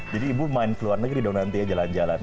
jadi ibu main keluar negeri dong nanti ya jalan jalan